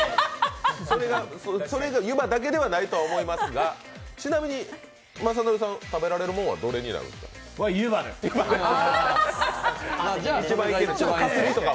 それがゆばだけではないと思いますがちなみに雅紀さん、食べられるものはどれですか？